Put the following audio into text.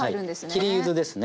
切り柚子ですね。